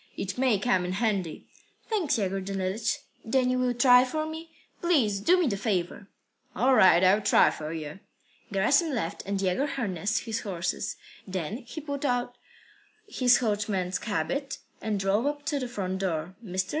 It may come in handy." "Thanks, Yegor Danilych. Then you will try for me? Please do me the favour." "All right. I'll try for you." Gerasim left, and Yegor harnessed up his horses. Then he put on his coachman's habit, and drove up to the front door. Mr.